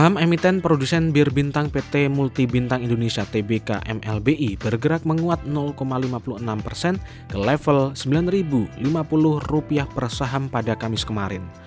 ham emiten produsen bir bintang pt multi bintang indonesia tbk mlbi bergerak menguat lima puluh enam persen ke level rp sembilan lima puluh per saham pada kamis kemarin